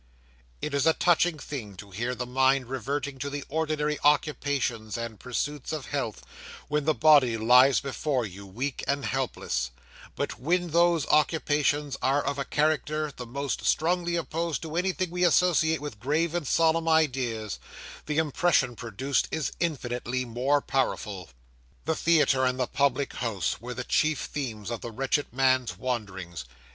'It is a touching thing to hear the mind reverting to the ordinary occupations and pursuits of health, when the body lies before you weak and helpless; but when those occupations are of a character the most strongly opposed to anything we associate with grave and solemn ideas, the impression produced is infinitely more powerful. The theatre and the public house were the chief themes of the wretched man's wanderings.